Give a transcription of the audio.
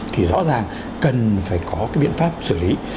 thì rõ ràng cần phải có cái biện pháp xử lý